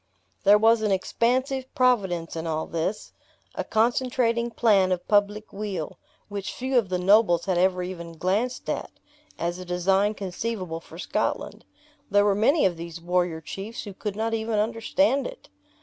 There was an expansive providence in all this, a concentrating plan of public weal, which few of the nobles had ever even glanced at, as a design conceivable for Scotland. There were many of these warrior chiefs who could not even understand it.